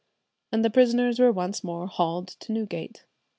and the prisoners were once more haled to Newgate.